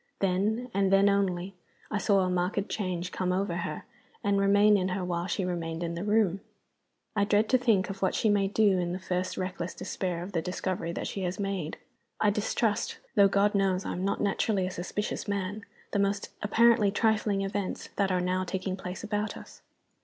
Then (and then only) I saw a marked change come over her, and remain in her while she remained in the room. I dread to think of what she may do in the first reckless despair of the discovery that she has made. I distrust though God knows I am not naturally a suspicious man the most apparently trifling events that are now taking place about us.